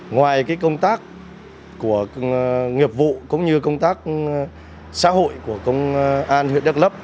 ngoài công tác của nghiệp vụ cũng như công tác xã hội của công an huyện đắk lấp